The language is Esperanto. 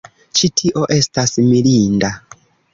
Ĉi tio estas mirinda